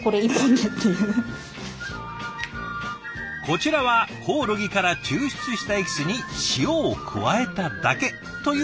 こちらはコオロギから抽出したエキスに塩を加えただけという調味料。